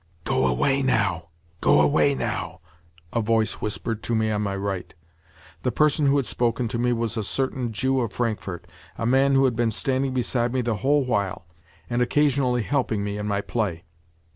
"Go away now, go away now," a voice whispered to me on my right. The person who had spoken to me was a certain Jew of Frankfurt—a man who had been standing beside me the whole while, and occasionally helping me in my play.